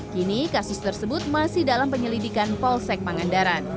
kini kasus tersebut masih dalam penyelidikan polsek pangandaran